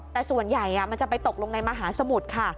แต่ส่วนใหญ่มันจะไปตกลงในมหาสมุทรค่ะ